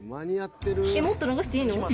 もっと流していいの？